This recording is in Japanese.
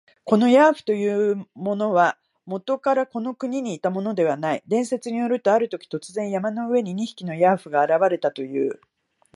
このヤーフというものは、もとからこの国にいたものではない。伝説によると、あるとき、突然、山の上に二匹のヤーフが現れたという。